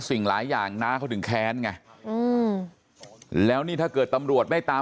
สิ่งหลายอย่างน้าเขาถึงแค้นไงอืมแล้วนี่ถ้าเกิดตำรวจไม่ตาม